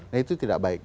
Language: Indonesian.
nah itu tidak baik